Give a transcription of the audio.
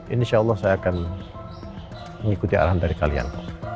insya allah saya akan mengikuti arahan dari kalian